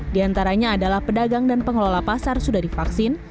di antaranya adalah pedagang dan pengelola pasar sudah divaksin